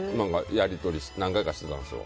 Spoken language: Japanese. やり取り何回かしてたんですよ。